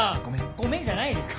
ごめんじゃないですよ。